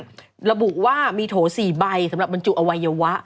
เพราะฉะนั้นระบุว่ามีโถสี่ใบสำหรับบรรจุอวัยวะ